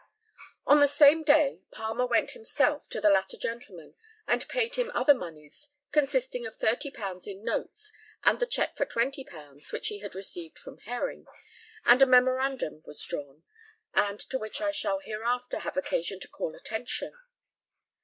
On the same day, Palmer went himself to the latter gentleman, and paid him other moneys, consisting of £30 in notes, and the cheque for £20 which he had received from Herring, and a memorandum was drawn, and to which I shall hereafter have occasion to call attention.